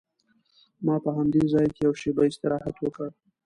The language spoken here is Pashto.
ما په همدې ځای کې یوه شېبه استراحت وکړ.